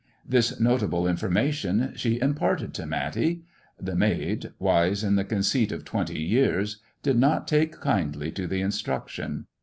This notable information she imparted to Matty. The maid, wise in the conceit of twenty years, did not take kindly to the instruction.